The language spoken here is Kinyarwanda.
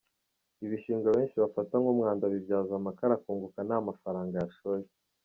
Ibishingwe benshi bafata nk’umwanda abibyaza amakara akunguka nta faranga yashoye.